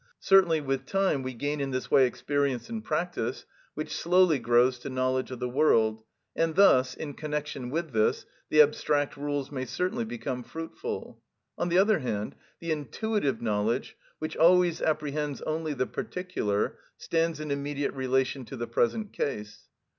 Certainly with time we gain in this way experience and practice, which slowly grows to knowledge of the world, and thus, in connection with this, the abstract rules may certainly become fruitful. On the other hand, the intuitive knowledge, which always apprehends only the particular, stands in immediate relation to the present case.